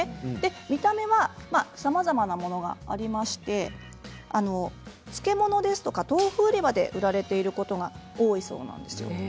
見た目はさまざまなものがありまして漬物ですとか豆腐売り場で売られていることが多いそうなんですよね。